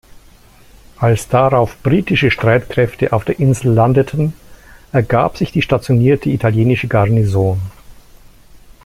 Als darauf britische Streitkräfte auf der Insel landeten, ergab sich die stationierte italienische Garnison.